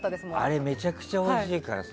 あれ、めちゃくちゃおいしいからさ。